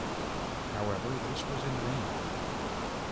However, this was in vain.